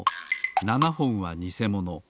７ほんはにせもの。